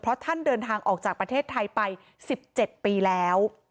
เพราะท่านเดินทางออกจากประเทศไทยไป๑๗ปีแล้ว